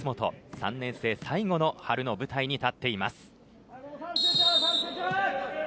３年生最後の春の舞台に立っています。